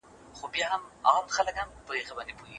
حضوري ټولګي به زده کوونکي د تمرين او مهارت پراختيا فرصت ولري.